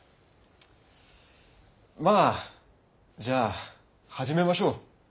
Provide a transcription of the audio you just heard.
まぁじゃあ始めましょう。